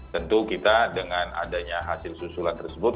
tentu kita dengan adanya hasil susulan tersebut